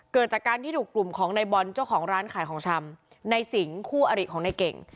เกิดจากการที่ถูกกลุ่มของในบอลเจ้าของร้านขายของชำในสิงคู่อริของในเก่ง